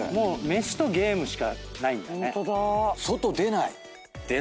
飯とゲームしかないんだ。